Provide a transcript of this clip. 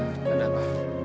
ya ada apa